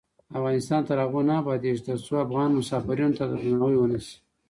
افغانستان تر هغو نه ابادیږي، ترڅو افغان مسافرینو ته درناوی ونشي.